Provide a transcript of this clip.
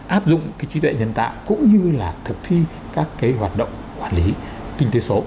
áp dụng trí tuệ nhân tạo cũng như là thực thi các hoạt động quản lý kinh tế số